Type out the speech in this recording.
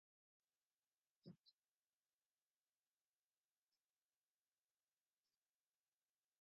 しかしどこまで行っても、その根底において、歴史的・社会的形成として、